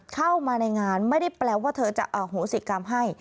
เข้ามาในงานไม่ได้แปลว่าเธอจะอโหสิกรรมให้